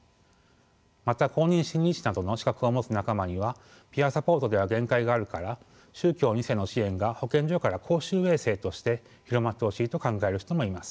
また公認心理士などの資格を持つ仲間にはピアサポートでは限界があるから宗教２世の支援が保健所から公衆衛生として広まってほしいと考える人もいます。